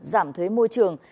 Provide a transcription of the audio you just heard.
giảm thuế môi trường